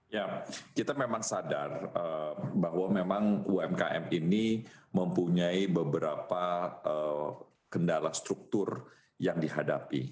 ya kita memang sadar bahwa memang umkm ini mempunyai beberapa kendala struktur yang dihadapi